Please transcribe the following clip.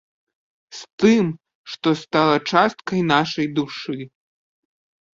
З тым, што стала часткай наша душы.